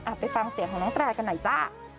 ไปฟังเสียงของน้องแตรกันหน่อยจ้า